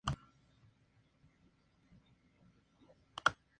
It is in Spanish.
Recibía las clases en una escuela de palacio junto con sus hermanos.